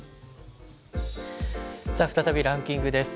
再びランキングです。